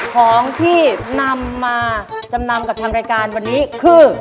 ของที่นำมาจำนำกับทางรายการวันนี้คือ